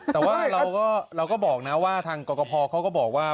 แต่ว่าเราก็บอกนะว่าทางกรกภเขาก็บอกว่า